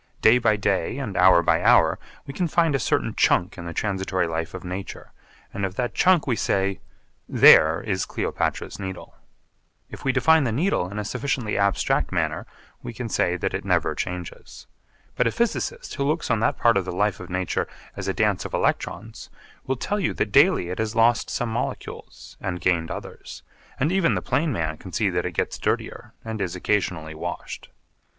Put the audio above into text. Day by day and hour by hour we can find a certain chunk in the transitory life of nature and of that chunk we say, 'There is Cleopatra's Needle.' If we define the Needle in a sufficiently abstract manner we can say that it never changes. But a physicist who looks on that part of the life of nature as a dance of electrons, will tell you that daily it has lost some molecules and gained others, and even the plain man can see that it gets dirtier and is occasionally washed.